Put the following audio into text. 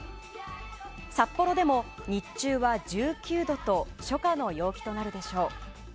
札幌でも日中は１９度と初夏の陽気となるでしょう。